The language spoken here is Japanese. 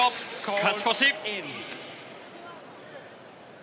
勝ち越し。